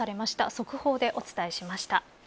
速報でお伝えしました。